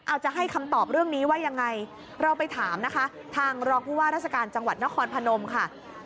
เอาจะให้คำตอบเรื่องนี้ว่ายังไงเราไปถามนะคะทางรองผู้ว่าราชการจังหวัดนครพนมค่ะ